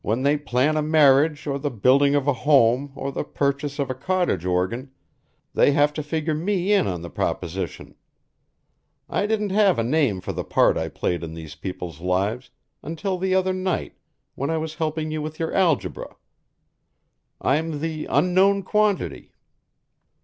When they plan a marriage or the building of a home or the purchase of a cottage organ, they have to figure me in on the proposition. I didn't have a name for the part I played in these people's lives until the other night when I was helping you with your algebra. I'm the unknown quantity."